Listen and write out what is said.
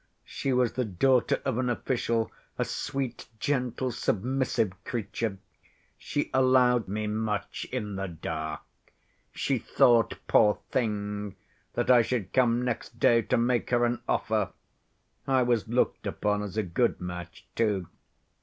She was the daughter of an official, a sweet, gentle, submissive creature. She allowed me, she allowed me much in the dark. She thought, poor thing, that I should come next day to make her an offer (I was looked upon as a good match, too).